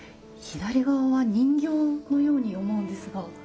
左側は人形のように思うんですが。